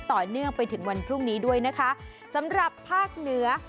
ต่อเนื่องไปถึงวันพรุ่งนี้ด้วยนะคะสำหรับภาคเหนือ